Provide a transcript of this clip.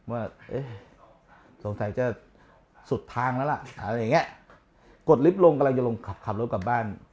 ว่าเอ๊ะสงสัยจะสุดทางแล้วล่ะอะไรอย่างเงี้ยกดลิฟต์ลงกำลังจะลงขับรถกลับบ้าน